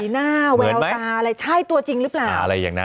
หน้าแววตาอะไรใช่ตัวจริงหรือเปล่าอะไรอย่างนั้น